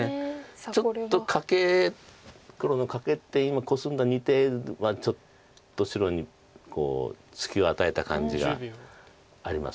ちょっとカケ黒のカケて今コスんだ２手はちょっと白に隙を与えた感じがあります。